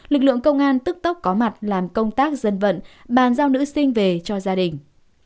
lực lượng công an tức tốc có mặt làm công tác dân vận bàn giao nữ sinh về cho gia đình